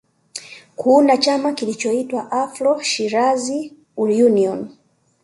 Kuunda chama kilichoitwa Afro Shirazi Union